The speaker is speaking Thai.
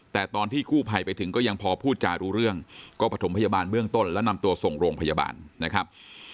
แต่ตอนที่กู้ภัยไปถึงก็ยังพอพูดจารู้เรื่องก็ประถมพยาบาลเบื้องต้นแล้วนำตัวส่งโรงพยาบาลนะครับ